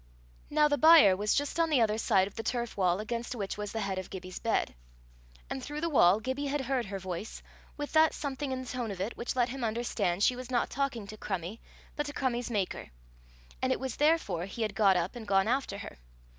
Now the byre was just on the other side of the turf wall against which was the head of Gibbie's bed, and through the wall Gibbie had heard her voice, with that something in the tone of it which let him understand she was not talking to Crummie, but to Crummie's maker; and it was therefore he had got up and gone after her.